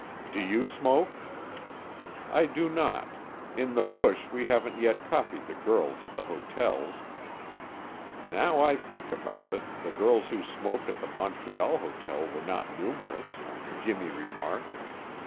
"Do you smoke?" "I do not. In the bush, we haven't yet copied the girls at the hotels." "Now I think about it, the girls who smoked at the Montreal hotel were not numerous," Jimmy remarked.